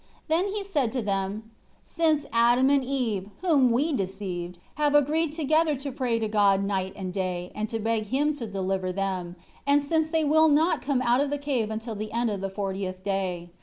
Then he said to them, "Since Adam and Eve, whom we deceived, have agreed together to pray to God night and day, and to beg Him to deliver them, and since they will not come out of the cave until the end of the fortieth day.